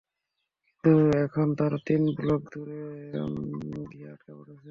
কিন্তু এখন তারা তিন ব্লক দুরে গিয়ে আটকা পড়েছে।